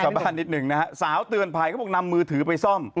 ใส่บ้านสาวตือนภายนำมือถือไปซ่อม